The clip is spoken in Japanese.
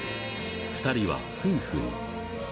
２人は夫婦に。